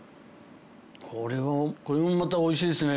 これはこれもまたおいしいですね。